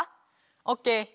オッケー！